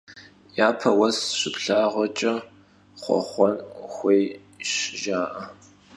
Yapeu vues şıplhağuç'e xhuexhuen xuêyş, jja'e.